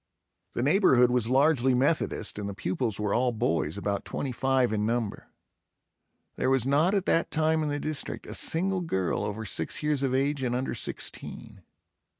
The neighborhood was largely Methodist and the pupils were all boys, about twenty five in number. There was not at that time in the district a single girl over six years of age and under sixteen.